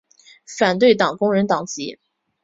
反对党工人党籍。